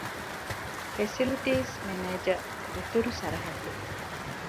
ފެސިލިޓީސް މެނޭޖަރ - އުތުރު ސަރަހައްދު